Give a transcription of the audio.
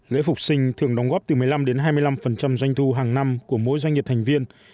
lễ phục sinh thường đóng góp từ một mươi năm đến hai mươi năm doanh thu hàng năm của mỗi doanh nghiệp thành viên